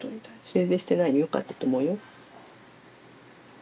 全然してないよよかったと思うよ。